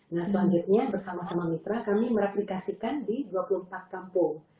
nah selanjutnya bersama sama mitra kami mereplikasikan di dua puluh empat kampung